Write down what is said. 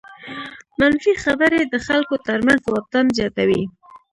منفي خبرې د خلکو تر منځ واټن زیاتوي.